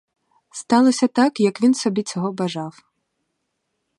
Сталося так, як він собі цього бажав.